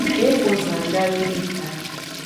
Exo zan gawideka.